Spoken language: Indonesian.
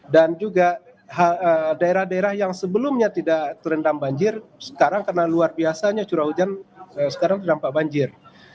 dan juga daerah daerah yang sebelumnya tidak terendam banjir sekarang karena luar biasanya curah hujan sekarang terdampak banjir